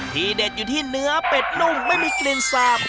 เด็ดอยู่ที่เนื้อเป็ดนุ่มไม่มีกลิ่นสาบ